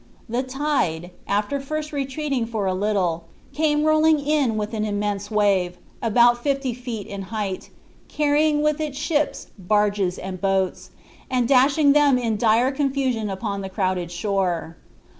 The tide, after first retreating for a little, came rolling in with an immense wave, about fifty feet in height, carrying with it ships, barges and boats, and dashing them in dire confusion upon the crowded shore.